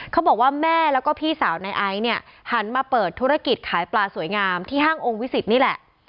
เขาบอกว่าแม่แล้วก็พี่สาวนายไอซ์เนี่ยหันมาเปิดธุรกิจขายปลาสวยงามที่ห้างองค์วิสิตนี่แหละ